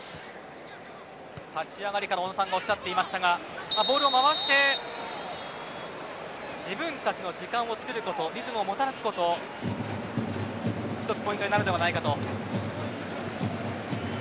立ち上がりから小野さんがおっしゃっていましたがボールを回して自分たちの時間を作ることリズムを持たすことが１つポイントになるのではないかと。